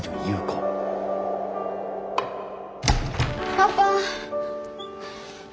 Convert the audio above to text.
パパ！